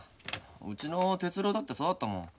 うちの鉄郎だってそうだったもん。